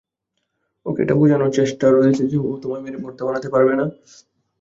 ওকে এটা বোঝানোর চেষ্টায় রয়েছো যে, ও তোমায় মেরে ভর্তা বানাতে পারবে না?